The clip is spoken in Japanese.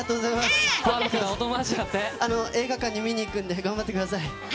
映画館に見に行くので頑張ってください。